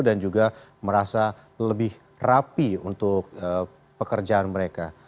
dan juga merasa lebih rapi untuk pekerjaan mereka